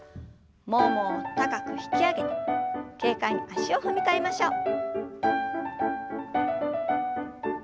ももを高く引き上げて軽快に足を踏み替えましょう。